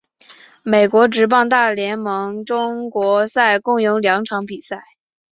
美国职棒大联盟中国赛共有两场比赛。